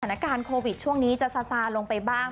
สถานการณ์โควิดช่วงนี้จะซาซาลงไปบ้าง